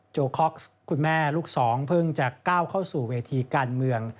คอกซ์คุณแม่ลูกสองเพิ่งจะก้าวเข้าสู่เวทีการเมือง